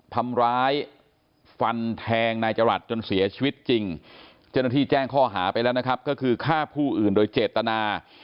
ทำร้ายฟันแทงนายจรัสจนเสียชีวิตจริงเจ้าหน้าที่แจ้งข้อหาไปแล้วนะครับก็คือฆ่าผู้อื่นโดยเจตนา